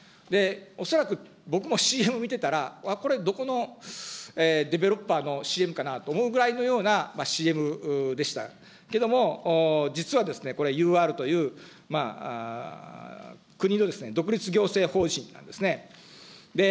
恐らく、僕もＣＭ見てたら、これ、どこのデベロッパーのＣＭかなと思うぐらいのようなＣＭでしたけども、実はですね、ＵＲという国のですね、独立行政法人なんですね。